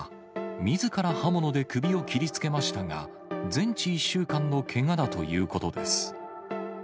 みずから刃物で首を切りつけましたが、全治１週間のけがだということです。